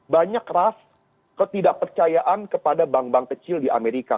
banyak ras ketidakpercayaan kepada bank bank kecil di amerika